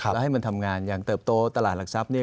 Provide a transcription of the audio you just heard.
แล้วให้มันทำงานอย่างเติบโตตลาดหลักทรัพย์